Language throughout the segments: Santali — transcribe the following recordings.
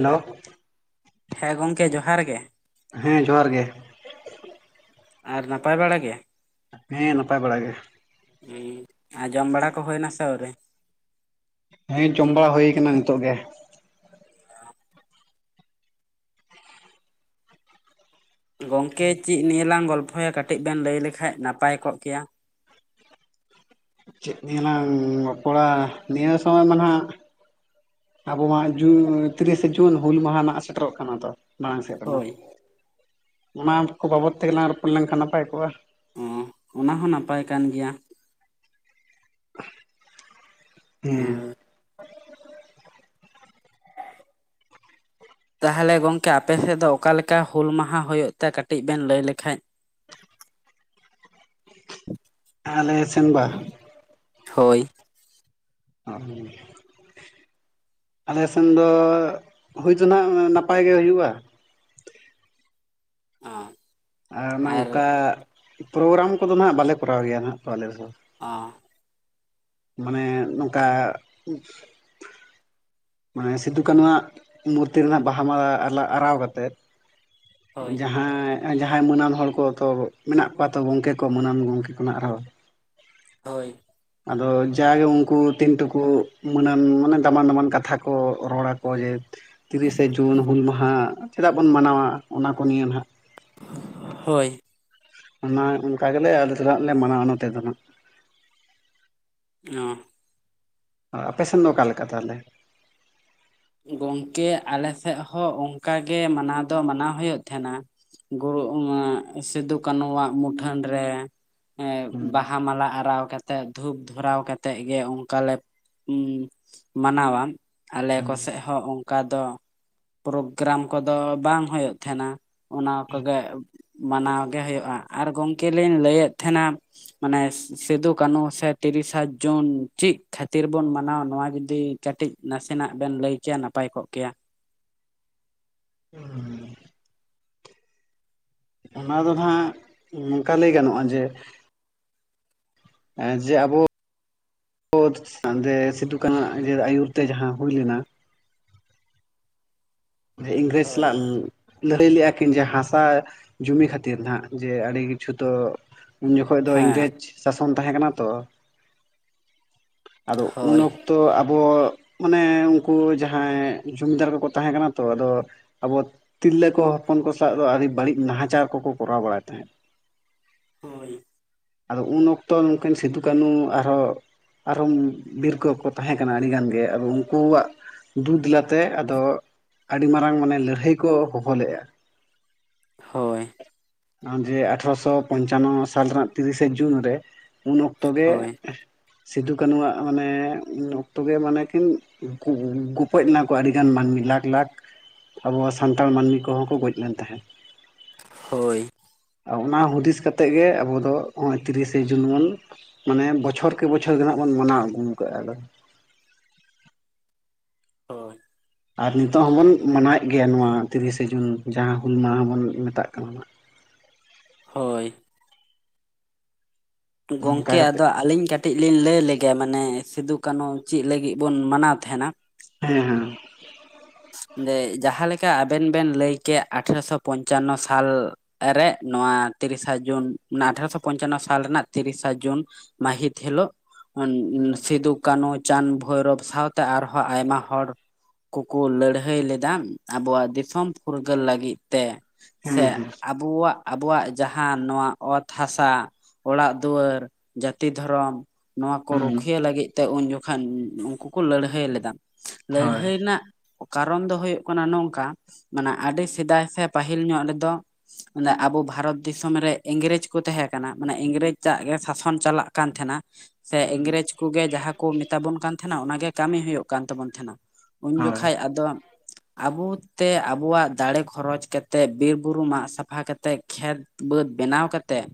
ᱦᱮᱞᱳ, ᱦᱮ ᱦᱮᱸ ᱜᱚᱝᱠᱮ ᱡᱚᱦᱟᱨ ᱜᱮ। ᱦᱮᱸ ᱡᱚᱦᱟᱨ ᱜᱮ। ᱟᱨ ᱱᱟᱯᱟᱭ ᱵᱟᱲᱟ ᱜᱮ? ᱦᱮᱸ ᱱᱟᱯᱟᱭ ᱵᱟᱲᱟ ᱜᱮ। ᱦᱩᱸ, ᱟᱨ ᱡᱚᱢ ᱵᱟᱲᱟ ᱠᱚ ᱦᱩᱭ ᱮᱱᱟ ᱥᱮ ᱟᱣᱨᱤ? ᱦᱮᱸ ᱡᱚᱢ ᱵᱟᱲᱟ ᱦᱩᱭ ᱠᱟᱱᱟ ᱱᱤᱛᱚᱜ ᱜᱮ। ᱜᱚᱝᱠᱮ ᱪᱮᱜ ᱱᱤᱭᱮ ᱞᱟᱝ ᱜᱚᱞᱯᱷᱚᱭᱟ ᱠᱟᱹᱴᱤᱡ ᱵᱮᱱ ᱞᱟᱹᱭ ᱞᱮᱠᱷᱟᱡ ᱱᱟᱯᱟᱭ ᱠᱚᱜ ᱠᱮᱭᱟ? ᱪᱮᱜ ᱱᱤᱭᱮ ᱞᱟᱝ ᱨᱚᱯᱚᱬᱟ ᱱᱤᱭᱟᱹ ᱥᱚᱢᱚᱭ ᱢᱟ ᱱᱟᱦᱟᱜ ᱟᱵᱚᱣᱟᱜ ᱡᱩᱱ ᱛᱤᱨᱤᱥᱮ ᱡᱩᱱ ᱦᱩᱞ ᱢᱟᱦᱟ ᱱᱟᱜ ᱥᱮᱴᱮᱨᱚᱜ ᱠᱟᱱᱟ ᱛᱚ। ᱢᱟᱲᱟᱝ ᱥᱮᱫ ᱨᱮᱫᱚ, ᱦᱳᱭ ᱚᱱᱟ ᱠᱚ ᱵᱟᱵᱚᱫ ᱛᱮᱜᱮᱞᱟᱝ ᱨᱚᱯᱚᱲ ᱞᱮᱱᱠᱷᱟᱱ ᱱᱟᱯᱟᱭ ᱠᱚᱜᱼᱟ। ᱚᱸ, ᱚᱱᱟ ᱦᱚᱸ ᱱᱟᱯᱟᱭ ᱠᱟᱱ ᱜᱮᱭᱟ। ᱦᱮᱸ ᱛᱟᱦᱚᱞᱮ ᱜᱚᱝᱠᱮ ᱟᱯᱮᱥᱮᱫ ᱫᱚ ᱚᱠᱟᱞᱮᱠᱟ ᱦᱩᱞ ᱢᱟᱦᱟ ᱦᱩᱭᱩᱜ ᱛᱮ ᱠᱟᱹᱴᱤᱡ ᱵᱮᱱ ᱞᱟᱹᱭ ᱞᱮᱠᱷᱟᱡ? [inaudible] ᱟᱞᱮ ᱥᱮᱱ-ᱵᱟ ᱦᱚᱭ। ᱟ ᱟᱞᱮᱥᱮᱱ ᱫᱚ ᱦᱩᱭ ᱫᱚ ᱱᱟᱦᱟᱜ ᱱᱟᱯᱟᱭ ᱜᱮ ᱦᱩᱭᱩᱜᱼᱟ ᱾ ᱟᱜ ᱟᱨ ᱚᱝᱠᱟ ᱯᱨᱳᱜᱨᱟᱢ ᱠᱚᱫᱚ ᱦᱟᱜ ᱵᱟᱞᱮ ᱠᱚᱨᱟᱣ ᱜᱮᱭᱟ ᱱᱟᱜ ᱟᱞᱮ ᱾ ᱚ ᱢᱟᱱᱮ ᱱᱚᱝᱠᱟ ᱢᱟᱱᱮ ᱥᱤᱫᱩ ᱠᱟᱹᱱᱩᱣᱟᱜ ᱢᱩᱨᱛᱤ ᱨᱮᱱᱟᱜ ᱵᱟᱦᱟ ᱢᱟᱞᱟ ᱟᱨᱟᱣ ᱠᱟᱛᱮ ᱦᱳᱭ ᱡᱟᱸᱦᱟ ᱾ ᱟᱸ ᱡᱟᱦᱟᱸᱭ ᱢᱟᱱᱟᱱ ᱦᱚᱲ ᱠᱚ ᱛᱚ ᱢᱮᱱᱟᱜ ᱠᱚᱣᱟ ᱛᱚ ᱜᱚᱢᱠᱮ ᱠᱚ ᱢᱟᱱᱟᱱ ᱜᱚᱢᱠᱮ ᱠᱚ ᱱᱟᱜ ᱟᱨᱦᱚᱸ᱾ [inaudible] ᱦᱳᱭ ᱟᱫᱚ ᱡᱟᱜᱮ ᱩᱱᱠᱩ ᱛᱤᱱᱴᱩᱠᱩ ᱢᱟᱱᱟᱱ ᱢᱟᱱᱮ ᱫᱟᱢᱟᱱ ᱫᱟᱢᱟᱱ ᱠᱟᱛᱷᱟ ᱠᱚ ᱨᱚᱲᱟ ᱠᱚ ᱡᱮ ᱛᱤᱨᱤᱥᱮ ᱡᱩᱱ ᱦᱩᱞ ᱢᱟᱦᱟ ᱟᱫᱚ ᱡᱟᱜᱮ ᱩᱱᱠᱩ ᱛᱤᱱᱴᱩᱠᱩ ᱢᱟᱱᱟᱱ ᱢᱟᱱᱮ ᱫᱟᱢᱟᱱ ᱫᱟᱢᱟᱱ ᱠᱟᱛᱷᱟ ᱟᱫᱚ ᱡᱟᱜᱮ ᱩᱱᱠᱩ ᱛᱤᱱᱴᱩᱠᱩ ᱢᱟᱱᱟᱱ ᱢᱟᱱᱮ ᱫᱟᱢᱟᱱ ᱫᱟᱢᱟᱱ ᱠᱟᱛᱷᱟ ᱾ ᱪᱮᱫᱟᱜ ᱵᱚᱱ ᱢᱟᱱᱟᱣ-ᱟ ᱚᱱᱟ ᱠᱚ ᱱᱤᱭᱮ ᱱᱟᱦᱟᱜ? ᱦᱳᱭ ᱾ ᱚᱱᱟ ᱚᱱᱠᱟ ᱜᱮᱞᱮ ᱟᱞᱮ ᱫᱚ ᱞᱮ ᱢᱟᱱᱟᱣ ᱱᱚᱛᱮ ᱫᱚ ᱱᱟᱜ ᱾ ᱧᱚᱸ ᱟᱯᱮᱥᱮᱱ ᱫᱚ ᱚᱠᱟ ᱞᱮᱠᱟ ᱛᱟᱦᱚᱞᱮ? ᱜᱚᱝᱠᱮ ᱟᱞᱮ ᱥᱮᱜ ᱦᱚᱸ ᱚᱱᱠᱟ ᱜᱮ ᱢᱟᱱᱟᱣ ᱫᱚ ᱢᱟᱱᱟᱣ ᱦᱩᱭᱩᱜ ᱛᱟᱦᱮᱸᱱᱟ ᱾ ᱜᱩᱨ ᱥᱤᱫᱩ ᱠᱟᱹᱱᱩᱣᱟᱜ ᱢᱩᱴᱷᱟᱹᱱ ᱨᱮ ᱮ ᱵᱟᱦᱟ ᱢᱟᱞᱟ ᱟᱨᱟᱣ ᱠᱟᱛᱮᱜ ᱾ ᱫᱷᱩᱯ ᱫᱷᱚᱨᱟᱣ ᱠᱟᱛᱮ ᱜᱮ ᱚᱱᱠᱟ ᱞᱮ ᱢᱟᱱᱟᱣᱟ ᱾ ᱠᱚ ᱥᱮᱫ ᱦᱚᱸ ᱚᱱᱠᱟ ᱫᱚ ᱯᱨᱳᱜᱨᱟᱢ ᱠᱚᱫᱚ ᱵᱟᱝ ᱦᱩᱭᱩᱜ ᱛᱟᱦᱮᱸᱱᱟ ᱾ ᱚᱱᱟ ᱠᱚᱜᱮ ᱢᱟᱱᱟᱣ ᱜᱮ ᱦᱩᱭᱩᱜᱼᱟ ᱟᱨ ᱜᱚᱢᱠᱮ ᱞᱤᱧ ᱞᱟᱹᱭᱮᱫ ᱛᱟᱦᱮᱱᱟ ᱾ ᱢᱟᱱᱮ ᱥᱤᱫᱩ ᱠᱟᱹᱱᱦᱩ ᱥᱮ ᱛᱤᱨᱤᱥᱟ ᱡᱩᱱ ᱪᱮᱫ ᱠᱷᱟᱹᱛᱤᱨ ᱵᱚᱱ ᱢᱟᱱᱟᱣᱟ ᱱᱚᱣᱟ ᱡᱩᱫᱤ ᱠᱟᱹᱴᱤᱡ ᱱᱟᱥᱮᱱᱟᱜ ᱵᱮᱱ ᱞᱟᱹᱭ ᱠᱮᱭᱟ ᱱᱟᱯᱟᱭ ᱠᱚᱜ ᱠᱮᱭᱟ ᱾ ᱦᱩᱸ ᱚᱱᱟ ᱫᱚ ᱦᱟᱜ ᱱᱚᱝᱠᱟ ᱞᱟᱹᱭ ᱜᱟᱱᱚᱜᱼᱟ ᱡᱮ ᱡᱮ ᱟᱵᱚ ᱥᱤᱫᱩ ᱠᱟᱹᱱᱩᱣᱟᱜ ᱟᱹᱭᱩᱨ ᱛᱮ ᱡᱟᱦᱟᱸ ᱦᱩᱭ ᱞᱮᱱᱟ ᱾ ᱤᱝᱨᱮᱡᱽ ᱦᱳᱭ ᱥᱟᱞᱟᱜ ᱞᱟᱹᱲᱦᱟᱹᱭ ᱞᱮᱫᱼᱟ ᱠᱤᱱ ᱡᱮ ᱦᱟᱥᱟ ᱡᱩᱢᱤ ᱠᱷᱟᱹᱛᱤᱨ ᱦᱟᱜ ᱡᱮ ᱟᱹᱰᱤ ᱠᱤᱪᱷᱩ ᱛᱚ ᱾ ᱩᱱ ᱡᱚᱠᱷᱚᱱ ᱫᱚ ᱦᱮᱸ ᱤᱝᱨᱮᱡᱽ ᱥᱟᱥᱚᱱ ᱛᱟᱦᱮᱸ ᱠᱟᱱᱟ ᱛᱚ ᱟᱫᱚ ᱩᱱ ᱦᱳᱭ ᱚᱠᱛᱚ ᱛᱚ ᱟᱵᱚ ᱢᱟᱱᱮ ᱩᱱᱠᱩ ᱡᱟᱦᱟᱸᱭ ᱡᱚᱢᱤᱫᱟᱨ ᱠᱚᱠᱚ ᱛᱟᱦᱮᱸ ᱠᱟᱱᱟ ᱾ ᱛᱚ ᱟᱫᱚ ᱟᱵᱚ ᱛᱤᱨᱞᱟᱹ ᱠᱚ ᱦᱚᱯᱚᱱ ᱠᱚ ᱥᱟᱶ ᱫᱚ ᱟᱹᱰᱤ ᱵᱟᱹᱲᱤᱡ ᱱᱟᱦᱟᱪᱟᱨ ᱠᱚᱠᱚ ᱠᱚᱨᱟᱣ ᱵᱟᱲᱟᱭᱮᱫ ᱛᱟᱦᱮᱸᱫ ᱾ ᱦᱳᱭ ᱟᱫᱚ ᱩᱱ ᱚᱠᱛᱚ ᱱᱩᱠᱤᱱ ᱥᱤᱫᱩ ᱠᱟᱹᱱᱩ ᱟᱨᱦᱚᱸ ᱟᱨᱚ ᱵᱤᱨ ᱠᱚᱠᱚ ᱛᱟᱦᱮᱸ ᱠᱟᱱᱟ ᱟᱹᱰᱤ ᱜᱟᱱ ᱜᱮ ᱟᱫᱚ ᱩᱱᱠᱩᱣᱟᱜ ᱾ ᱫᱩ ᱫᱮᱞᱟᱛᱮ ᱟᱫᱚ ᱟᱹᱰᱤ ᱢᱟᱨᱟᱝ ᱢᱟᱱᱮ ᱞᱟᱹᱲᱦᱟᱹᱭ ᱠᱚ ᱦᱚᱦᱚ ᱞᱮᱫᱮᱫᱼᱟ ᱾ ᱦᱳᱭ ᱱᱚᱜᱼᱚᱭ ᱡᱮ ᱟᱴᱷᱨᱚᱥᱚ ᱯᱚᱧᱪᱟᱱᱱᱚ ᱥᱟᱞ ᱨᱮᱱᱟᱜ ᱛᱤᱨᱤᱥᱮ ᱡᱩᱱ ᱨᱮ ᱩᱱ ᱚᱠᱛᱚᱜ ᱜᱮ ᱦᱳᱭ ᱥᱤᱫᱩ ᱠᱟᱹᱱᱩᱣᱟᱜ ᱢᱟᱱᱮ ᱩᱱ ᱚᱠᱛᱚ ᱜᱮ ᱢᱟᱱᱮ ᱠᱤᱱ ᱾ ᱜᱚᱯᱚᱡ ᱞᱮᱱᱟᱠᱚ ᱟᱹᱰᱤᱜᱟᱱ ᱢᱟᱹᱱᱢᱤ ᱞᱟᱠᱷ ᱞᱟᱠᱷ ᱾ ᱟᱵᱚᱣᱟᱜ ᱥᱟᱱᱛᱟᱲ ᱢᱟᱹᱱᱢᱤ ᱠᱚᱦᱚᱸ ᱠᱚ ᱜᱚᱡ ᱞᱮᱱ ᱛᱟᱦᱮᱸᱫ᱾ ᱦᱳᱭ ᱚᱱᱟ ᱦᱩᱫᱤᱥ ᱠᱟᱛᱮᱜ ᱜᱮ ᱟᱵᱚ ᱫᱚ ᱱᱚᱜᱚᱭ ᱛᱤᱨᱤᱥᱮ ᱡᱩᱱᱵᱚᱱ ᱢᱟᱱᱮ ᱵᱚᱪᱷᱚᱨ ᱠᱮ ᱵᱚᱪᱷᱚᱨ ᱜᱮᱦᱟᱜ ᱵᱚᱱ ᱢᱟᱱᱟᱣ ᱟᱹᱜᱩ ᱠᱟᱜᱼᱟ ᱟᱫᱚ᱾ ᱦᱳᱭ ᱟᱨ ᱱᱤᱛᱚᱜ ᱦᱚᱸᱵᱚᱱ ᱢᱟᱱᱟᱣᱭᱮᱫ ᱜᱮᱭᱟ, ᱱᱚᱣᱟ ᱛᱤᱨᱤᱥᱮ ᱡᱩᱱ ᱡᱟᱦᱟᱸ ᱦᱩᱞ ᱢᱟᱦᱟ ᱵᱚᱱ ᱢᱮᱛᱟᱜ ᱠᱟᱱᱟ᱾ ᱦᱳᱭ ᱚᱱᱠᱟ ᱜᱚᱝᱠᱮ ᱠᱟᱛᱮᱜ ᱟᱫᱚ ᱟᱹᱞᱤᱧ ᱠᱟᱹ ᱴᱤᱡ ᱞᱤᱧ ᱞᱟᱹᱭ ᱞᱮᱜᱮ ᱢᱟᱱᱮ ᱥᱤᱫᱩ ᱠᱟᱹᱱᱦᱩ ᱪᱮᱫ ᱞᱟᱹᱜᱤᱫ ᱵᱚᱱ ᱢᱟᱱᱟᱣ ᱛᱟᱦᱮᱱᱟ, ᱦᱮᱸ ᱦᱮᱸ᱾ ᱮ ᱡᱟᱦᱟᱸᱞᱮᱠᱟ ᱟᱵᱮᱱ ᱵᱮᱱ ᱞᱟᱹᱭ ᱠᱮᱫ ᱟᱴᱷᱮᱨᱚᱥᱚ ᱯᱚᱧᱪᱟᱱᱱᱚ ᱥᱟᱞ ᱨᱮ ᱱᱚᱣᱟ ᱛᱤᱨᱤᱥᱟ ᱡᱩᱱ ᱟᱴᱷᱮᱨᱚᱥᱚ ᱯᱚᱧᱪᱟᱱᱱᱚ ᱥᱟᱞ ᱨᱮᱱᱟᱜ ᱛᱤᱨᱤᱥᱟ ᱡᱩᱱ ᱢᱟᱦᱤᱛ ᱦᱮᱞᱳᱜ ᱩᱸ ᱩᱸ ᱦᱮᱸ ᱥᱤᱫᱩ ᱠᱟᱱᱩ ᱪᱟᱸᱫᱽ ᱵᱷᱳᱭᱨᱳᱵ ᱥᱟᱶᱛᱮ ᱟᱨᱦᱚᱸ ᱟᱭᱢᱟ ᱦᱚᱲ ᱠᱩᱠᱩ ᱞᱟᱹᱲ ᱦᱟᱹᱭ ᱞᱮᱫᱟ ᱟᱵᱚᱣᱟᱜ ᱫᱤᱥᱚᱢ ᱯᱷᱩᱨᱜᱟᱹᱞ ᱞᱟᱹᱜᱤᱫ ᱛᱮ, ᱦᱮᱸ ᱥᱮ ᱦᱮᱸ ᱟᱵᱚᱣᱟᱜ ᱟᱵᱚᱣᱟᱜ ᱡᱟᱦᱟᱸ ᱱᱚᱣᱟ ᱚᱛ ᱦᱟᱥᱟ, ᱚᱲᱟᱜ ᱫᱩᱣᱟᱹᱨ, ᱡᱟᱹᱛᱤ ᱫᱷᱚᱨᱚᱢ, ᱱᱚᱣᱟ ᱠᱚ ᱦᱩᱸ ᱨᱩᱠᱷᱭᱤᱭᱟᱹ ᱞᱟᱹᱜᱤᱫ ᱛᱮ ᱩᱱ ᱡᱚᱠᱷᱟᱱ ᱩᱱᱠᱩ ᱠᱚ ᱞᱟᱹᱲᱦᱟᱹᱭ ᱞᱮᱫᱟ᱾ ᱦᱳᱭ ᱞᱟᱹᱲᱦᱟᱹᱭ ᱨᱮᱱᱟᱜ ᱠᱟᱨᱚᱱ ᱫᱚ ᱦᱩᱭᱩᱜ ᱠᱟᱱᱟ ᱱᱚᱝᱠᱟ ᱢᱟᱱᱮ ᱟᱹᱰᱤ ᱥᱮᱫᱟᱭ ᱥᱮ ᱯᱟᱹᱦᱤᱞ ᱧᱚᱜ ᱨᱮᱫᱚ ᱢᱟᱱᱮ ᱟᱵᱚ ᱵᱷᱟᱨᱚᱛ ᱫᱤᱥᱚᱢ ᱨᱮ ᱤᱝᱨᱮᱡ ᱠᱚ ᱛᱟᱦᱮᱸ ᱠᱟᱱᱟ, ᱢᱟᱱᱮ ᱤᱝᱨᱮᱡᱟᱜ ᱜᱮ ᱥᱟᱥᱚᱱ ᱪᱟᱞᱟᱜ ᱠᱟᱱ ᱛᱟᱦᱮᱱᱟ᱾ ᱥᱮ ᱦᱩᱸ ᱤᱝᱨᱮᱡᱽ ᱠᱚᱜᱮ ᱡᱟᱦᱟᱸ ᱠᱚ ᱢᱮᱛᱟ ᱵᱚᱱ ᱠᱟᱱ ᱛᱟᱦᱮᱱᱟ ᱚᱱᱟᱜᱮ ᱠᱟᱹᱢᱤ ᱦᱩᱭᱩᱜ ᱠᱟᱱ ᱛᱟᱵᱳ ᱛᱟᱦᱮᱱᱟ᱾ ᱩᱱ ᱦᱳᱭ ᱡᱚᱠᱷᱟᱪ ᱟᱫᱚ ᱟᱵᱩ ᱛᱮ ᱟᱵᱚᱣᱟᱜ ᱫᱟᱲᱮ ᱠᱷᱚᱨᱚᱪ ᱠᱟᱛᱮᱫ ᱵᱤᱨ ᱵᱩᱨᱩ ᱢᱟᱜ ᱥᱟᱯᱷᱟ ᱠᱟᱛᱮᱫ ᱠᱷᱮᱛ ᱵᱟᱹᱫᱽ ᱵᱮᱱᱟᱣ ᱠᱟᱛᱮᱫ,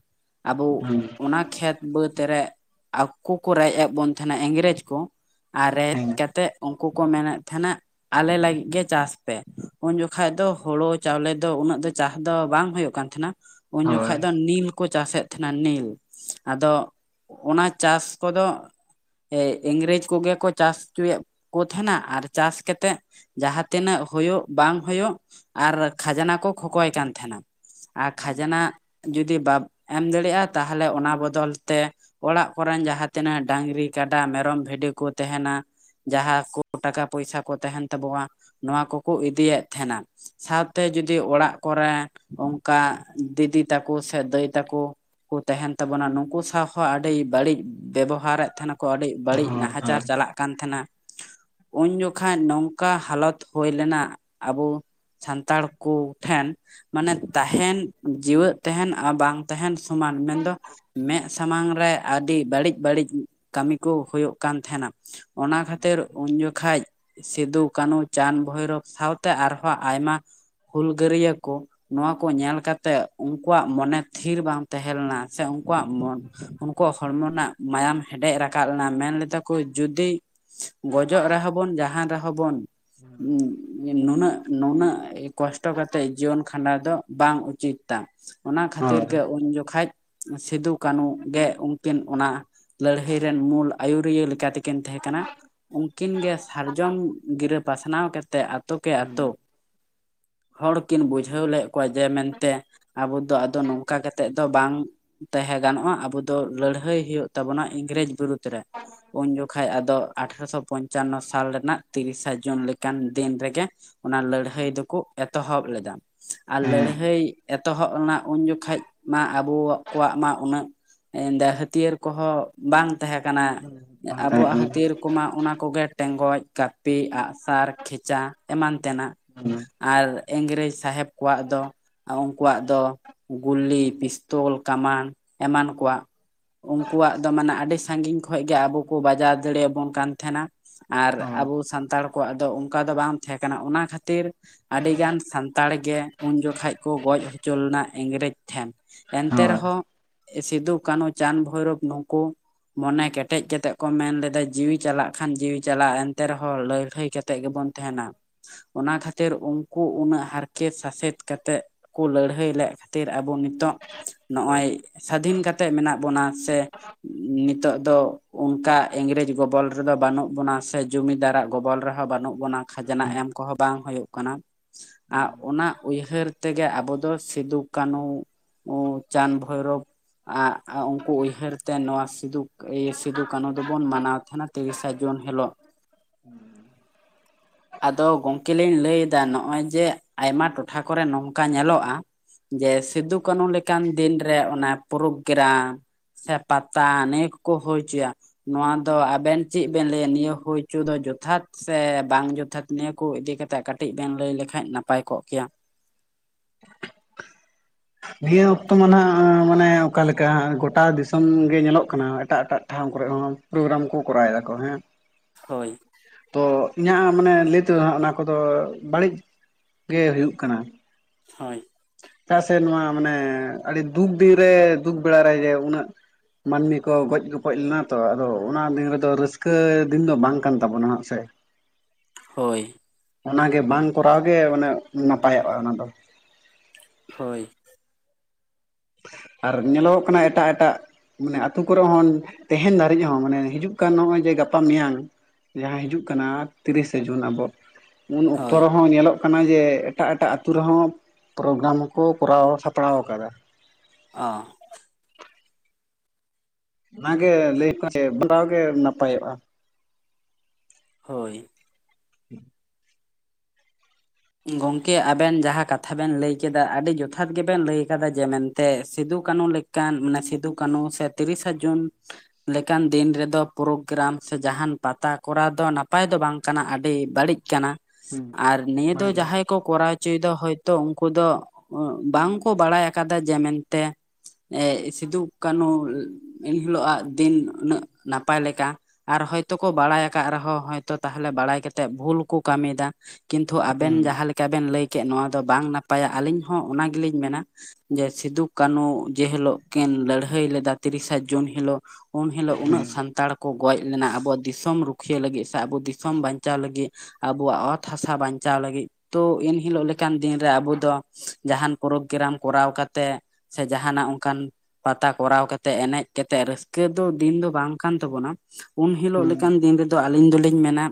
ᱟᱵᱚ ᱦᱩᱸ ᱚᱱᱟ ᱠᱷᱮᱛ ᱵᱟᱹᱫᱽ ᱨᱮ ᱟᱠᱩ ᱠᱚ ᱨᱮᱡ ᱮᱫᱽ ᱵᱚᱱ ᱛᱟᱦᱮᱱᱟ ᱤᱝᱨᱮᱡᱽ ᱠᱚ᱾ ᱟᱨ ᱨᱮᱡ ᱦᱮᱸ ᱠᱟᱛᱮᱫ ᱠᱩ ᱠᱚ ᱢᱮᱱᱮᱫ ᱛᱟᱦᱮᱱᱟ ᱟᱞᱮ ᱞᱟᱹᱜᱤᱫ ᱜᱮ ᱪᱟᱥ ᱯᱮ ᱩᱱᱡᱚᱠᱷᱟᱡ ᱫᱚ ᱦᱩᱲᱩ ᱪᱟᱣᱞᱮ ᱫᱚ ᱩᱱᱟᱹᱜ ᱫᱚ ᱪᱟᱥ ᱫᱚ ᱵᱟᱝ ᱦᱩᱭᱩᱜ ᱠᱟᱱ ᱛᱟᱦᱮᱱᱟ ᱩᱱ ᱦᱳᱭ ᱡᱚᱠᱷᱟᱡ ᱫᱚ ᱱᱤᱞ ᱠᱚ ᱪᱟᱥᱮᱫ ᱛᱟᱦᱮᱱᱟ ᱱᱤᱞ ᱟᱫᱚ ᱚᱱᱟ ᱪᱟᱥ ᱠᱚᱫᱚ ᱮ ᱤᱝᱨᱮᱡᱽ ᱠᱚᱜᱮ ᱠᱚ ᱪᱟᱥ ᱪᱚᱭᱮᱫ ᱠᱚ ᱛᱟᱦᱮᱸᱱᱟ ᱟᱨ ᱪᱟᱥ ᱠᱟ ᱛᱮ ᱡᱟᱦᱟᱸ ᱛᱤᱱᱟᱹᱜ ᱦᱳᱭᱩᱜ ᱵᱟᱝ ᱦᱩᱭᱩᱜ ᱟᱨ ᱠᱷᱟᱡᱽᱱᱟ ᱠᱚ ᱠᱷᱚᱠᱚᱭ ᱠᱟᱱ ᱛᱟᱦᱮᱱᱟ᱾ ᱟᱨ ᱠᱷᱟᱡᱱᱟ ᱡᱩᱫᱤ ᱵᱟᱢ ᱮᱢ ᱫᱟᱲᱮᱭᱟᱜ-ᱟ, ᱛᱟᱦᱚᱞᱮ ᱚᱱᱟ ᱵᱚᱫᱚᱞ ᱛᱮ ᱚᱲᱟᱜ ᱠᱚᱨᱮᱱ ᱡᱟᱦᱟᱸ ᱛᱤᱱᱟᱹᱜ ᱰᱟᱝᱨᱤ ᱠᱟᱰᱟ ᱢᱮᱨᱚᱢ ᱵᱷᱤᱰᱤ ᱠᱚ ᱛᱟᱦᱮᱱᱟ, ᱡᱟᱦᱟᱸ ᱠᱚ ᱴᱟᱠᱟ ᱯᱚᱭᱥᱟ ᱠᱚ ᱛᱟᱦᱮᱱ ᱛᱟᱵᱚᱱᱟ ᱱᱚᱣᱟ ᱠᱚᱠᱚ ᱤᱫᱤᱭᱮᱫ ᱛᱟᱦᱮᱱᱟ᱾ ᱥᱟᱶᱛᱮ ᱡᱚᱫᱤ ᱚᱲᱟᱜ ᱠᱚᱨᱮ ᱚᱱᱠᱟ ᱫᱤᱫᱤ ᱛᱟᱠᱚ ᱥᱮ ᱫᱟᱹᱭ ᱛᱟᱠᱚ, ᱠᱩ ᱛᱟᱦᱮᱱ ᱛᱟᱵᱚᱱᱟ ᱱᱩᱠᱩ ᱥᱟᱶ ᱦᱚᱸ ᱟᱹᱰᱤ ᱵᱟᱹᱲᱤᱡ ᱵᱮᱵᱚᱦᱟᱨᱮᱫ ᱛᱟᱦᱮᱱᱟᱠᱚ ᱟᱹᱰᱤ ᱦᱳᱭ ᱵᱟᱹᱲᱤᱡ ᱦᱳᱭ ᱱᱟᱦᱟᱪᱟᱨ ᱪᱟᱞᱟᱜ ᱠᱟᱱ ᱛᱟᱦᱮᱱᱟ ᱩᱱ ᱡᱚ ᱠᱷᱟᱱ ᱱᱚᱝᱠᱟ ᱦᱟᱞᱚᱛ ᱦᱩᱭ ᱞᱮᱱᱟ ᱟᱵᱚ ᱥᱟᱱᱛᱟᱲ ᱠᱩᱴᱷᱮᱱ ᱢᱟᱱᱮ ᱛᱟᱦᱮᱱ ᱡᱤᱣᱮᱫ ᱛᱟᱦᱮᱱ ᱟᱨ ᱵᱟᱝ ᱛᱟᱦᱮᱱ ᱥᱚᱢᱟᱱ ᱢᱮᱱᱫᱚ ᱢᱮᱸ ᱥᱟᱢᱟᱝ ᱨᱮ ᱟᱹᱰᱤ ᱵᱟᱹᱲᱤᱡ ᱵᱟᱹᱲᱤᱡ ᱠᱟᱹᱢᱤ ᱠᱚ ᱦᱩᱭᱩᱜ ᱠᱟᱱ ᱛᱟᱦᱮᱱᱟ, ᱚᱱᱟ ᱠᱷᱟᱹᱛᱤᱨ ᱩᱱ ᱡᱚᱠᱷᱟᱡ ᱥᱤᱫᱩ ᱠᱟᱱᱩ ᱪᱟᱸᱫᱽ ᱵᱷᱳᱭᱨᱳᱯ ᱥᱟᱶᱛᱮ ᱟᱨᱦᱚᱸ ᱟᱭᱢᱟ ᱦᱩᱞᱜᱟᱹᱨᱭᱟᱹ ᱠᱚ ᱱᱚᱣᱟ ᱠᱚ ᱧᱮᱞ ᱠᱟᱛᱮ ᱩᱱᱠᱩᱣᱟᱜ ᱢᱚᱱᱮ ᱛᱷᱤᱨ ᱵᱟᱝ ᱛᱟᱦᱮᱸ ᱞᱮᱱᱟ ᱥᱮ ᱩᱱᱠᱩᱣᱟᱜ ᱢᱚ ᱩᱱᱠᱩᱣᱟᱜ ᱦᱚᱲᱢᱚ ᱨᱮᱱᱟᱜ ᱢᱟᱭᱟᱢ ᱦᱮᱰᱮᱡ ᱨᱟᱠᱟᱵ ᱞᱮᱱᱟ ᱢᱮᱱ ᱞᱮᱫᱟ ᱠᱚ ᱡᱩᱫᱤ ᱜᱚᱡᱚᱜ ᱨᱮᱦᱚᱸ ᱵᱚᱱ ᱡᱟᱦᱟᱱ ᱨᱮᱦᱚᱸ ᱵᱚᱱ ᱩᱢ ᱱᱩᱱᱟᱹᱜ ᱱᱩᱱᱟᱹᱜ ᱠᱚᱥᱴᱚ ᱠᱟᱛᱮᱜ ᱡᱤᱭᱚᱱ ᱠᱷᱟᱸᱰᱟᱣ ᱫᱚ ᱵᱟᱝ ᱩᱪᱤᱛ᱾ ᱚᱱᱟ ᱠᱷᱟᱹᱛᱤᱨ ᱦᱳᱭ ᱜᱮ ᱩᱱ ᱡᱚᱠᱷᱟᱪ ᱥᱤᱫᱩ ᱠᱟᱹᱱᱩ ᱜᱮ ᱩᱱᱠᱤᱱ ᱚᱱᱟ ᱞᱟᱹᱲᱦᱟᱹᱭ ᱨᱮᱱ ᱢᱩᱞ ᱟᱹᱭᱩᱨᱤᱭᱟᱹ ᱞᱮᱠᱟᱛᱮᱠᱤᱱ ᱛᱟᱦᱮᱸ ᱠᱟᱱᱟ᱾ ᱩᱱᱠᱤᱱ ᱜᱮ ᱥᱟᱨᱡᱚᱢ ᱜᱤᱨᱟᱹ ᱯᱟᱥᱱᱟᱣ ᱠᱟᱛᱮᱫ ᱟᱛᱳ ᱠᱮ ᱟᱛᱳ ᱦᱩᱸ ᱦᱚᱲᱠᱤᱱ ᱵᱩᱡᱷᱟᱹᱣ ᱞᱮᱫ ᱠᱚᱣᱟ ᱡᱮ ᱢᱮᱱᱛᱮ ᱟᱵᱚ ᱫᱚ ᱟᱫᱚ ᱱᱚᱝᱠᱟ ᱠᱟᱛᱮᱫ ᱫᱚ ᱵᱟᱝ ᱛᱟᱦᱮᱸ ᱜᱟᱱᱚᱜ-ᱟ ᱟᱵᱩ ᱫᱚ ᱞᱟᱹᱲᱦᱟᱹᱭ ᱦᱩᱭᱩᱜ ᱛᱟᱵᱚᱱᱟ ᱤᱝᱨᱮᱡᱽ ᱵᱤᱨᱩᱫ᱾ ᱨᱮ ᱩᱱ ᱡᱚᱠᱷᱟᱡ ᱟᱫᱚ ᱟᱴᱷᱨᱚᱥᱚ ᱯᱚᱱᱪᱟᱱᱱᱚ ᱥᱟᱞ ᱨᱮᱱᱟᱜ ᱛᱤᱨᱤᱥᱟ ᱡᱩᱱ ᱞᱮᱠᱟᱱ ᱫᱤᱱ ᱨᱮᱜᱮ ᱚᱱᱟ ᱞᱟᱹᱲᱦᱟᱹᱭ ᱫᱚᱠᱩ ᱮᱛᱚᱦᱚᱵ ᱞᱮᱫᱟ᱾ ᱟᱨ ᱦᱮᱸ ᱞᱟᱹᱲᱦᱟᱹᱭ ᱮᱛᱚᱦᱚᱵ ᱞᱮᱱᱟ ᱩᱱ ᱡᱚᱠᱷᱟᱡ ᱢᱟ ᱟᱵᱚ ᱠᱚᱣᱟᱜ ᱢᱟ ᱩᱱᱟᱹᱜ ᱦᱟᱹᱛᱭᱟᱹᱨ ᱠᱚᱦᱚᱸ ᱵᱟᱝ ᱛᱟᱦᱮᱸ ᱠᱟᱱᱟ᱾ ᱵᱟᱝ ᱛᱟᱦᱮᱸ ᱟᱵᱚᱣᱟᱜ ᱠᱟᱱᱟ ᱦᱩᱸ ᱦᱟᱹᱛᱭᱟᱹᱨ ᱠᱚᱢᱟ ᱚᱱᱟ ᱠᱚᱜᱮ ᱴᱮᱸᱜᱚᱪ ᱠᱟᱹᱯᱤ ᱟᱜ-ᱥᱟᱨ ᱠᱷᱮᱪᱟ ᱮᱢᱟᱱ ᱛᱮᱱᱟᱜ [unintelligible] ᱟᱨ ᱤᱝᱨᱮᱡᱽ ᱥᱟᱦᱮᱵᱽ ᱠᱚᱣᱟᱜ ᱫᱚ ᱩᱱᱠᱩᱣᱟᱜ ᱫᱚ ᱜᱩᱞᱤ ᱯᱤᱥᱛᱚᱞ ᱠᱟᱢᱟᱱ ᱮᱢᱟᱱ ᱠᱚᱣᱟᱜ᱾ ᱩᱱᱠᱩᱣᱟᱜ ᱫᱚ ᱢᱟᱱᱮ ᱟᱹᱰᱤ ᱥᱟᱺᱜᱤᱧ ᱠᱷᱚᱡ ᱜᱮ ᱟᱵᱚ ᱠᱚ ᱵᱟᱡᱟᱣ ᱫᱟᱲᱮᱭᱟᱵᱚᱱ ᱠᱟᱱ ᱛᱟᱦᱮᱱᱟ ᱟᱨ ᱦᱳᱭ ᱟᱵᱚ ᱥᱟᱱᱛᱟᱲ ᱠᱚᱣᱟᱜ ᱫᱚ ᱚᱱᱠᱟ ᱫᱚ ᱵᱟᱝ ᱛᱟᱦᱮᱸ ᱠᱟᱱᱟ ᱚᱱᱟ ᱠᱷᱟᱹᱛᱤᱨ ᱟᱹᱰᱤᱜᱟᱱ ᱥᱟᱱᱛᱟᱲ ᱜᱮ ᱩᱱ ᱡᱚᱠᱷᱮᱡᱽ ᱠᱚ ᱜᱚᱡᱽ ᱚᱪᱚ ᱞᱮᱱᱟ ᱤᱝᱨᱮᱡᱽ ᱴᱷᱮᱱ᱾ ᱮᱱᱛᱮ ᱦᱳᱭ ᱨᱮᱦᱚᱸ ᱥᱤᱫᱩ ᱠᱟᱹᱱᱩ ᱪᱟᱸᱫᱽ ᱵᱷᱳᱭᱨᱳᱯ ᱱᱩᱠᱩ ᱢᱚᱱᱮ ᱠᱮᱴᱮᱡ ᱠᱟᱛᱮᱜ ᱠᱚ ᱢᱮᱱ ᱞᱮᱫᱟ ᱡᱤᱣᱤ ᱪᱟᱞᱟᱜ ᱠᱷᱟᱱ ᱡᱤᱣᱤ ᱪᱟᱞᱟᱜ ᱮᱱᱛᱮ ᱨᱮᱦᱚᱸ ᱞᱟᱹᱭᱦᱟᱹᱭ ᱠᱟᱛᱮᱫ ᱜᱮᱵᱚᱱ ᱛᱟᱦᱮᱱᱟ᱾ ᱚᱱᱟ ᱠᱷᱟᱹᱛᱤᱨ ᱩᱱᱠᱩ ᱩᱱᱟᱹᱜ ᱦᱟᱨᱠᱮᱛ ᱥᱟᱥᱮᱛ ᱠᱟᱛᱮᱫ ᱠᱚ ᱞᱟᱹᱲᱦᱟᱹᱭ ᱞᱮᱫ ᱠᱷᱟᱹᱛᱤᱨ ᱟᱵᱚ ᱱᱤᱛᱚᱜ ᱱᱚᱜ-ᱚᱭ ᱥᱟᱫᱷᱤᱱ ᱠᱟᱛᱮᱜ ᱢᱮᱱᱟᱜ ᱵᱚᱱᱟ ᱥᱮ ᱱᱤᱛᱚᱜ ᱫᱚ ᱚᱱᱠᱟ ᱤᱝᱨᱮᱡᱽ ᱜᱚᱵᱚᱞ ᱨᱮᱫᱚ ᱵᱟᱹᱱᱩᱜ ᱵᱚᱱᱟ ᱥᱮ ᱡᱩᱢᱤᱫᱟᱨᱟᱜ ᱜᱚᱵᱚᱞ ᱨᱮᱦᱚᱸ ᱵᱟᱹᱱᱩᱜ ᱵᱚᱱᱟ ᱠᱷᱟᱡᱽᱱᱟ ᱮᱢ ᱠᱚᱦᱚᱸ ᱵᱟᱝ ᱦᱩᱭᱩᱜ ᱠᱟᱱᱟ᱾ ᱟᱨ ᱚᱱᱟ ᱩᱭᱦᱟᱹᱨ ᱛᱮᱜᱮ ᱟᱵᱚ ᱫᱚ ᱥᱤᱫᱩ ᱠᱟᱹᱱᱩ ᱩᱸ ᱪᱟᱸᱫᱽ ᱵᱷᱳᱭᱨᱚᱵ ᱟᱨ ᱩᱱᱠᱩ ᱩᱭᱦᱟᱹᱨ ᱛᱮ ᱱᱚᱣᱟ ᱥᱤᱫᱩ ᱥᱤᱫᱩ ᱠᱟᱹᱱᱩ ᱫᱚᱵᱚᱱ ᱢᱟᱱᱟᱣ ᱛᱟᱦᱮᱱᱟ᱾ ᱛᱤᱨᱤᱥᱟ ᱡᱩᱱ ᱦᱤᱞᱳᱜ᱾ [unintelligible] ᱟᱫᱚ ᱜᱚᱝᱠᱮ ᱞᱤᱧ ᱞᱟᱹᱭ ᱮᱫᱟ ᱱᱚᱜ-ᱚᱭ ᱡᱮ ᱟᱭᱢᱟ ᱴᱚᱴᱷᱟ ᱠᱚᱨᱮ ᱱᱚᱝᱠᱟ ᱧᱮᱞᱚᱜᱼᱟ᱾ ᱡᱮ ᱥᱤᱫᱩ ᱠᱟᱱᱩ ᱞᱮᱠᱟᱱ ᱫᱤᱱᱨᱮ ᱚᱱᱟ ᱯᱨᱳᱜᱨᱟᱢ ᱥᱮ ᱯᱟᱛᱟ ᱱᱤᱭᱟᱹ ᱠᱚᱠᱚ ᱦᱩᱭ ᱦᱚᱪᱚᱭᱟ ᱱᱚᱣᱟ ᱫᱚ ᱟᱵᱮᱱ ᱪᱮᱫ ᱵᱮᱱ ᱞᱟᱹᱭᱟ? ᱱᱤᱭᱟᱹ ᱦᱩᱭᱪᱚ ᱫᱚ ᱡᱚᱛᱷᱟᱛ ᱥᱮ ᱵᱟᱝ ᱡᱚᱛᱷᱟᱛ ᱱᱤᱭᱟᱹ ᱠᱚ ᱤᱫᱤ ᱠᱟᱛᱮᱜ ᱠᱟᱹᱴᱤᱡ ᱵᱮᱱ ᱞᱟᱹᱭ ᱞᱮᱠᱷᱟᱡ ᱱᱟᱯᱟᱭ ᱠᱚᱜ ᱠᱮᱭᱟ᱾ [unintelligible] ᱱᱤᱭᱟᱹ ᱚᱠᱛᱚ ᱢᱟ ᱱᱟᱦᱟᱜ ᱢᱟᱱᱮ ᱚᱠᱟᱞᱮᱠᱟ ᱜᱚᱴᱟ ᱫᱤᱥᱚᱢ ᱜᱮ ᱧᱮᱞᱚᱜ ᱠᱟᱱᱟ ᱮᱴᱟᱜ ᱮᱴᱟᱜ ᱴᱷᱟᱶ ᱠᱚᱨᱮ ᱦᱚᱸ ᱯᱳᱜᱨᱟᱢ ᱠᱚ ᱠᱚᱨᱟᱣ ᱮᱫᱟᱠᱚ ᱦᱮᱸ ᱦᱳᱭ ᱛᱚ ᱤᱧᱟᱹᱜ ᱢᱟᱱᱮ ᱞᱟᱹᱭ ᱛᱮᱫᱚ ᱦᱟᱸᱜ ᱚᱱᱟ ᱠᱚᱫᱚ ᱵᱟᱹᱲᱤᱡ ᱜᱮ ᱦᱩᱭᱩᱜ ᱠᱟᱱᱟ᱾ ᱦᱳᱭ ᱪᱮᱫᱟᱜ ᱥᱮ ᱱᱚᱣᱟ ᱢᱟᱱᱮ ᱟᱹᱰᱤ ᱫᱩᱠ ᱫᱤᱱᱮ ᱫᱩᱠ ᱵᱮᱲᱟᱨᱮ ᱡᱮ ᱩᱱᱟᱹᱜ ᱢᱟᱹᱱᱢᱤ ᱠᱚ ᱜᱚᱡ ᱜᱚᱯᱚᱡ ᱞᱮᱱᱟ ᱛᱚ᱾ ᱟᱫᱚ ᱚᱱᱟ ᱫᱤᱱ ᱨᱮᱫᱚ ᱨᱟᱹᱥᱠᱟᱹ ᱫᱤᱱ ᱫᱚ ᱵᱟᱝ ᱠᱟᱱ ᱛᱟᱵᱚᱱᱟ ᱦᱟᱸᱜ ᱥᱮ [inaudible] ᱦᱳᱭ ᱚᱱᱟᱜᱮ ᱵᱟᱝ ᱠᱚᱨᱟᱣ ᱜᱮ ᱢᱟᱱᱮ ᱱᱟᱯᱟᱭᱚᱜᱼᱟ ᱚᱱᱟ ᱫᱚ᱾ ᱦᱳᱭ ᱟᱨ ᱧᱮᱞᱚᱜᱚᱜ ᱠᱟᱱᱟ ᱮᱴᱟᱜ ᱮᱴᱟᱜ ᱢᱟᱱᱮ ᱟᱹᱛᱩ ᱠᱚᱨᱮ ᱦᱚᱸ ᱛᱟᱦᱮᱱ ᱫᱷᱟᱹᱨᱤᱡ ᱦᱚᱸ ᱢᱟᱱᱮ ᱦᱤᱡᱩᱜ ᱠᱟᱱ ᱱᱚᱜᱼᱚᱭ ᱡᱮ ᱜᱟᱯᱟ ᱢᱮᱭᱟᱝ ᱡᱟᱦᱟᱸ ᱦᱤᱡᱩᱜ ᱠᱟᱱᱟ ᱛᱤᱨᱤᱥᱮ ᱡᱩᱱ ᱟᱵᱚ ᱩᱱ ᱚᱠᱛᱚ ᱦᱳᱭ ᱨᱮᱦᱚᱸ ᱧᱮᱞᱚᱜ ᱠᱟᱱᱟ᱾ ᱠᱟᱱᱟ ᱡᱮ ᱮᱴᱟᱜ ᱮᱴᱟᱜ ᱟᱛᱳ ᱨᱮᱦᱚᱸ ᱯᱨᱳᱜᱨᱟᱢ ᱠᱚ ᱠᱚᱨᱟᱣ ᱥᱟᱯᱲᱟᱣ ᱟᱠᱟᱫᱟ᱾ ᱚ ᱚᱱᱟᱜᱮ ᱞᱟᱹᱭ [unintelligible] ᱜᱮ ᱱᱟᱯᱟᱭᱚᱜᱼᱟ ᱦᱳᱭ [unintelligible] ᱜᱚᱝᱠᱮ ᱟᱵᱮᱱ ᱡᱟᱦᱟᱸ ᱠᱟᱛᱷᱟ ᱵᱮᱱ ᱞᱟᱹᱭ ᱠᱮᱫᱟ, ᱟᱹᱰᱤ ᱡᱚᱛᱷᱟᱛ ᱜᱮᱵᱮᱱ ᱞᱟᱹᱭ ᱟᱠᱟᱫᱟ, ᱡᱮ ᱢᱮᱱᱛᱮ ᱥᱤᱫᱩ ᱠᱟᱹᱱᱦᱩ ᱢᱟᱱᱮ ᱥᱤᱫᱩ ᱠᱟᱹᱱᱩ ᱥᱮ ᱛᱤᱨᱤᱥᱟ ᱡᱩᱱ ᱞᱮᱠᱟᱱ ᱫᱤᱱ ᱨᱮᱫᱚ ᱯᱨᱳᱜᱨᱟᱢ ᱥᱮ ᱡᱟᱦᱟᱱ ᱯᱟᱛᱟ ᱠᱚᱨ ᱫᱚ ᱱᱟᱯᱟᱭ ᱫᱚ ᱵᱟᱝ ᱠᱟᱱᱟ ᱟᱹᱰᱤ ᱵᱟᱹᱲᱤᱡ ᱠᱟᱱᱟ ᱦᱩᱸ ᱟᱨ ᱱᱤᱭᱟᱹ ᱫᱚ ᱵᱟᱹᱲᱤᱡᱼᱟ ᱡᱟᱦᱟᱸᱭ ᱠᱚ ᱠᱚᱨᱟᱣ ᱦᱚᱪᱚᱭᱮᱫᱟ ᱦᱚᱭᱛᱚ ᱩᱱᱠᱩ ᱫᱚ ᱵᱟᱝ ᱠᱚ ᱵᱟᱲᱟᱭ ᱟᱠᱟᱫᱟ, ᱡᱮ ᱢᱮᱱᱛᱮ ᱮ ᱥᱤᱫᱩ ᱠᱟᱱᱦᱩ ᱮᱱᱦᱤᱞᱳᱜ ᱫᱤᱱ ᱩᱱᱟᱹᱜ ᱱᱟᱯᱟᱭ ᱞᱮᱠᱟ ᱟᱨ ᱦᱚᱭᱛᱚ ᱠᱚ ᱵᱟᱲᱟᱭ ᱟᱠᱟᱫ ᱨᱮᱦᱚᱸᱛ ᱛᱟᱦᱚᱞᱮ ᱵᱟᱲᱟᱭ ᱠᱟᱛᱮᱜ ᱵᱷᱩᱞ ᱠᱚ ᱠᱟᱹᱢᱤᱭᱮᱫᱟ ᱠᱤᱱᱛᱩ ᱟᱵᱮᱱ ᱦᱩᱸ ᱡᱟᱦᱟᱸ ᱞᱮᱠᱟ ᱵᱮᱱ ᱞᱟᱹᱭ ᱠᱮᱫ ᱱᱚᱣᱟ ᱫᱚ ᱵᱟᱝ ᱱᱟᱯᱟᱭᱟ ᱟᱹᱞᱤᱧ ᱦᱚᱸ ᱚᱱᱟ ᱜᱮᱞᱤᱧ ᱢᱮᱱᱟ᱾ ᱡᱮ ᱥᱤᱫᱩ ᱠᱟᱱᱦᱩ ᱡᱮ ᱦᱤᱞᱳᱜ ᱠᱤᱱ ᱞᱟᱹᱲᱦᱟᱹᱭ ᱞᱮᱫᱟ ᱛᱤᱨᱤᱥᱟ ᱡᱩᱱ ᱦᱤᱞᱳᱜ᱾ ᱩᱱ ᱦᱤᱞᱳ ᱩᱱᱟᱹᱜ ᱦᱮᱸ ᱥᱟᱱᱛᱟᱲ ᱠᱚ ᱜᱚᱡ ᱞᱮᱱᱟ ᱟᱵᱚᱣᱟᱜ ᱫᱤᱥᱚᱢ ᱨᱩᱠᱷᱤᱭᱟᱹ ᱞᱟᱹᱜᱤᱫ ᱥᱮ ᱟᱵᱚ ᱫᱤᱥᱚᱢ ᱵᱟᱧᱪᱟᱣ ᱞᱟᱹᱜᱤᱫ᱾ ᱟᱵᱚᱣᱟᱜ ᱚᱛ ᱦᱟᱥᱟ ᱵᱟᱱᱪᱟᱣ ᱵᱟᱱᱪᱟᱣ ᱞᱟᱹᱜᱤᱫ ᱛᱚ ᱮᱱᱦᱤᱞᱳᱜ ᱞᱮᱠᱟᱱ ᱫᱤᱱᱨᱮ ᱟᱵᱚ ᱫᱚ ᱡᱟᱦᱟᱱ ᱯᱨᱳᱜᱨᱟᱢ ᱠᱚᱨᱟᱣ ᱠᱟᱛᱮᱜ ᱥᱮ ᱡᱟᱦᱟᱱᱟᱜ ᱚᱱᱠᱟᱱ ᱯᱟᱛᱟ ᱠᱚᱨᱟᱣ ᱠᱟᱛᱮᱜ ᱮᱱᱮᱡ ᱠᱟᱛᱮᱜ ᱨᱟᱹᱥᱠᱟᱹ ᱫᱚ ᱫᱤᱱ ᱫᱚ ᱵᱟᱝ ᱠᱟᱱ ᱛᱟᱵᱚᱱᱟ᱾ ᱩᱱ ᱦᱤᱞᱳᱜ ᱦᱩᱸ ᱞᱮᱠᱟᱱ ᱫᱤᱱ ᱨᱮᱫᱚ ᱟᱹᱞᱤᱧ ᱫᱚᱞᱤᱧ ᱢᱮᱱᱟ,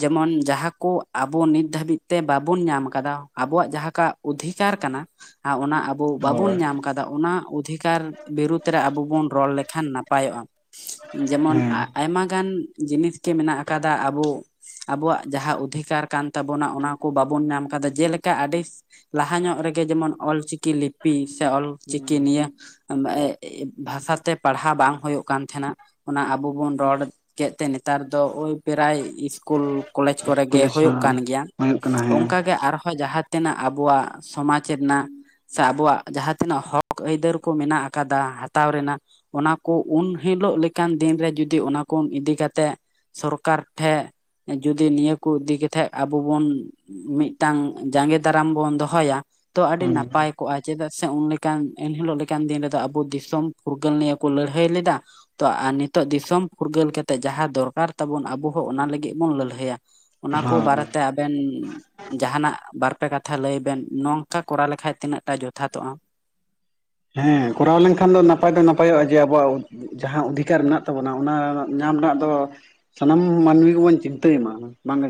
ᱡᱮᱢᱚᱱ ᱡᱟᱦᱟᱸ ᱠᱚ ᱟᱵᱚ ᱱᱤᱛ ᱱᱤᱛ ᱫᱷᱟᱹᱵᱤᱡ ᱛᱮ ᱵᱟᱵᱚᱱ ᱧᱟᱢ ᱟᱠᱟᱫᱟ ᱟᱵᱚᱣᱟᱜ ᱡᱟᱦᱟᱸ ᱚᱫᱷᱤᱠᱟᱨ ᱠᱟᱱᱟ ᱚᱱᱟ ᱟᱵᱚ ᱟᱵᱚ ᱵᱟᱵᱚᱱ ᱦᱳᱭ ᱧᱟᱢ ᱠᱟᱫᱟ ᱚᱱᱟ ᱚᱫᱷᱤᱠᱟᱨ ᱵᱤᱨᱩᱫᱽ ᱨᱮ ᱟᱵᱚ ᱵᱚᱱ ᱨᱚᱲ ᱞᱮᱠᱷᱟᱱ ᱱᱟᱯᱟᱭᱚᱜᱼᱟ᱾ ᱡᱮᱢᱚᱱ ᱦᱮᱸ ᱟ.. ᱟᱭᱢᱟ ᱜᱟᱱ ᱡᱤᱱᱤᱥ ᱜᱮ ᱢᱮᱱᱟᱜ ᱟᱠᱟᱫᱟ ᱟᱵᱚ ᱟᱵᱚᱣᱟᱜ ᱡᱟᱦᱟᱸ ᱚᱫᱷᱤᱠᱟᱨ ᱠᱟᱱ... ᱛᱟᱵᱚᱱᱟ, ᱚᱱᱟ ᱠᱚ ᱵᱟᱵᱚᱱ ᱧᱟᱢ ᱟᱠᱟᱫᱟ᱾ ᱡᱮᱞᱮᱠᱟ ᱟᱹᱰᱤ ᱞᱟᱦᱟ ᱧᱚᱜ ᱨᱮᱜᱮ ᱡᱮᱢᱚᱱ ᱚᱞ ᱪᱤᱠᱤ ᱞᱤᱯᱤ ᱯᱤ ᱥᱮ ᱚᱞᱪᱤᱠᱤ ᱦᱩᱸ ᱱᱤᱭᱟᱹ ᱵᱷᱟᱥᱟᱛᱮ ᱯᱟᱲᱦᱟᱣ ᱵᱟᱝ ᱦᱩᱭᱩᱜ ᱠᱟᱱ ᱛᱟᱦᱮᱸᱱᱟ᱾ ᱚᱱᱟ ᱟᱵᱚ ᱵᱚᱱ ᱨᱚᱲ ᱠᱮᱫ ᱛᱮ ᱱᱮᱛᱟᱨ ᱫᱚ ᱳᱭ ᱯᱨᱟᱭ ᱥᱠᱩᱞ ᱠᱚᱞᱮᱡᱽ ᱠᱚᱨᱮ ᱜᱮ ᱠᱚᱞᱮᱡᱽ ᱦᱩᱭᱩᱜ ᱠᱟᱱ ᱦᱚᱸ ᱜᱮᱭᱟ᱾ ᱦᱩᱭᱩᱜ ᱠᱟᱱᱟ ᱦᱮᱸ ᱚᱱᱠᱟ ᱜᱮ ᱟᱨᱦᱚᱸ ᱡᱟᱦᱟᱸ ᱛᱤᱱᱟᱹᱜ ᱟᱵᱚᱣᱟᱜ ᱥᱚᱢᱟᱡᱽ ᱨᱮᱱᱟᱜ, ᱥᱮ ᱟᱵᱚᱣᱟᱜ ᱡᱟᱦᱟᱸ ᱛᱤᱱᱟᱹᱜ ᱦᱚᱠ ᱟᱹᱭᱫᱟᱹᱨ ᱠᱚ ᱢᱮᱱᱟᱜ ᱟᱠᱟᱫᱟ ᱦᱟᱛᱟᱣ ᱨᱮᱱᱟᱜ ᱚᱱᱟ ᱠᱚ ᱩᱱ ᱦᱤᱞᱳᱜ ᱞᱮᱠᱟᱱ ᱫᱤᱱᱨᱮ ᱡᱩᱫᱤ ᱚᱱᱟ ᱠᱚ ᱤᱫᱤ ᱠᱟᱛᱮᱜ ᱥᱚᱨᱠᱟᱨ ᱴᱷᱮᱜ ᱡᱩᱫᱤ ᱱᱤᱭᱟᱹ ᱠᱩ ᱤᱫᱤ ᱠᱟᱛᱷᱮᱜ ᱟᱵᱚ ᱵᱚᱱ ᱢᱤᱫᱴᱟᱝ ᱡᱟᱸᱜᱮ ᱫᱟᱨᱟᱢ ᱵᱚᱱ ᱫᱚᱦᱚᱭᱟ ᱛᱚ ᱟᱹᱰᱤ ᱦᱩᱸ ᱱᱟᱯᱟᱭ᱾ ᱠᱚᱜᱼᱟ ᱪᱮᱫᱟᱜ ᱥᱮ ᱩᱱᱞᱮᱠᱟᱱ ᱮᱱᱦᱤᱞᱳᱜ ᱞᱮᱠᱟᱱ ᱫᱤᱱ ᱨᱮᱫᱚ ᱟᱵᱚ ᱫᱤᱥᱚᱢ ᱯᱷᱩᱨᱜᱟᱹᱞ ᱱᱤᱭᱟᱹ ᱠᱚ ᱞᱟᱹᱲᱦᱟᱹᱭ ᱞᱮᱫᱟ᱾ ᱛᱚ ᱱᱤᱛᱚᱜ ᱫᱤᱥᱚᱢ ᱯᱷᱩᱨᱜᱟᱹᱞ ᱠᱮᱛᱮᱜ ᱡᱟᱦᱟᱸ ᱫᱚᱨᱠᱟᱨ ᱛᱟᱵᱚᱱ ᱟᱵᱚ ᱦᱚᱸ ᱚᱱᱟ ᱞᱟᱹᱜᱤᱫ ᱵᱚᱱ ᱞᱟᱹᱲᱦᱟᱹᱭᱟ᱾ ᱚᱱᱟ ᱠᱚ ᱦᱳᱭ ᱵᱟᱨᱮᱛᱮ ᱟᱵᱮᱱ ᱡᱟᱦᱟᱱᱟᱜ ᱵᱟᱨᱼᱯᱮ ᱠᱟᱛᱷᱟ ᱞᱟᱹᱭ ᱵᱮᱱ ᱱᱚᱝᱠᱟ ᱠᱚᱨᱟᱣ ᱞᱮᱠᱷᱟᱡ ᱛᱤᱱᱟᱹᱜ ᱴᱟ ᱡᱚᱛᱷᱟᱛᱚᱜᱼᱟ? ᱦᱮᱸ, ᱠᱚᱨᱟᱣ ᱞᱮᱱᱠᱷᱟᱱ ᱫᱚ ᱱᱟᱯᱟᱭ ᱫᱚ ᱱᱟᱯᱟᱭᱚᱜᱼᱟ ᱡᱮ ᱟᱵᱚᱣᱟᱜ ᱡᱟᱦᱟᱸ ᱚᱫᱷᱤᱠᱟᱨ ᱢᱮᱱᱟᱜ ᱛᱟᱵᱚᱱᱟ ᱚᱱᱟ ᱧᱟᱢ ᱨᱮᱱᱟᱜ ᱫᱚ ᱥᱟᱱᱟᱢ ᱢᱟᱹᱱᱢᱤ ᱜᱮᱵᱚᱱ ᱪᱤᱱᱛᱟᱹᱭ ᱢᱟ ᱵᱟᱝ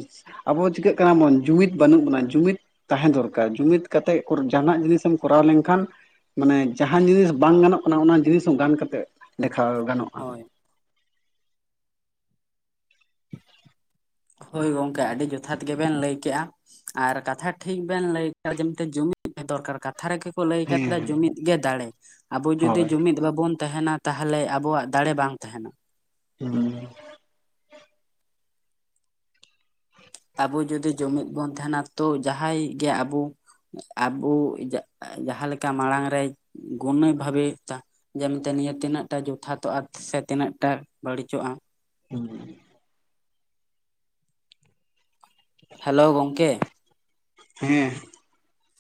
ᱟᱵᱚ ᱪᱤᱠᱟᱹᱜ ᱠᱟᱱᱟ ᱵᱚᱱ ᱡᱩᱢᱤᱫ ᱵᱟᱹᱱᱩᱜ ᱵᱚᱱᱟ ᱡᱩᱢᱤᱫ ᱛᱟᱦᱮᱸ ᱫᱚᱨᱠᱟᱨ ᱡᱩᱢᱤᱫ ᱠᱟᱛᱮᱜ ᱠᱩᱨ ᱡᱟᱦᱟᱱᱟᱜ ᱡᱤᱱᱤᱥ ᱮᱢ ᱠᱚᱨᱟᱣ ᱞᱮᱱᱠᱷᱟᱱ ᱢᱟᱱᱮ ᱡᱟᱦᱟᱸᱱ ᱡᱤᱱᱤᱥ ᱵᱟᱝ ᱜᱟᱱᱚᱜ ᱠᱟᱱᱟ ᱚᱱᱟ ᱡᱤᱱᱤᱥ ᱦᱚᱸ ᱜᱟᱱ ᱠᱟᱛᱮ ᱫᱮᱠᱷᱟᱣ ᱜᱟᱱᱚᱜ᱾ ᱦᱳᱭ᱾ ᱦᱳᱭ ᱜᱚᱝᱠᱮ ᱟᱹᱰᱤ ᱡᱚᱛᱷᱟᱛ ᱜᱮᱵᱮᱱ ᱞᱟᱹᱭ ᱠᱮᱜᱼᱟ᱾ ᱟᱨ ᱠᱟᱛᱷᱟ ᱴᱷᱤᱠ ᱵᱮᱱ ᱞᱟᱹᱭ ᱠᱮ ᱡᱮ ᱢᱤᱴᱮᱱ ᱡᱩᱤ ᱫᱚᱨᱠᱟᱨ ᱠᱟᱛᱷᱟ ᱨᱮᱜᱮ ᱠᱚ ᱞᱟᱹᱭ ᱠᱟᱫ ᱞᱮ ᱦᱮᱸ ᱡᱩᱢᱤᱫ ᱜᱮ ᱫᱟᱲᱮ, ᱟᱵᱚ ᱡᱩᱫᱤ ᱦᱳᱭ ᱡᱩᱢᱤᱫ ᱵᱟᱵᱚᱱ ᱛᱟᱦᱮᱱᱟ ᱛᱟᱦᱚᱞᱮ ᱟᱵᱚᱣᱟᱜ ᱫᱟᱲᱮ ᱵᱟᱝ ᱛᱟᱦᱮᱱᱟ᱾ ᱦᱩᱸ ᱟᱵᱚ ᱡᱩᱫᱤ ᱡᱩᱢᱤᱫ ᱵᱚᱱ ᱛᱦᱮᱱᱟ ᱛᱚ ᱡᱟᱦᱟᱸᱭ ᱜᱮ ᱟᱵᱩ ᱟᱵᱩ ᱡᱟᱜ-ᱡᱟᱦᱟᱸᱞᱮᱠᱟ ᱢᱟᱲᱟᱝ ᱨᱮ ᱜᱩᱱᱤ ᱵᱷᱟᱵᱮ ᱛᱟ ᱡᱮ ᱢᱮᱱᱛᱮ ᱱᱤᱭᱟᱹ ᱛᱤᱱᱟᱹᱜ ᱴᱟ ᱡᱚᱛᱷᱟᱛᱚᱜᱼᱟ ᱥᱮ ᱛᱤᱱᱟᱹᱜ ᱴᱟ ᱵᱟᱹᱲᱤᱡᱚᱜᱼᱟ᱾ ᱦᱩᱸ᱾ ᱦᱮᱞᱳ ᱜᱚᱢᱠᱮ᱾ ᱦᱮᱸ᱾